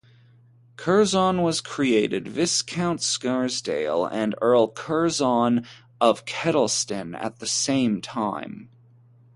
Curzon was created Viscount Scarsdale and Earl Curzon of Kedleston at the same time.